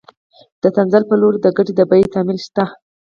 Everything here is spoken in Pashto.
د تنزل په لور د ګټې د بیې تمایل شته